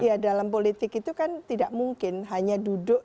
iya dalam politik itu kan tidak mungkin hanya duduk